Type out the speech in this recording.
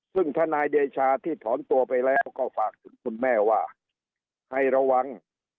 ซึ่งทนายเดชาที่ถอนตัวไปแล้วก็ฝากถึงคุณแม่ว่าให้ระวัง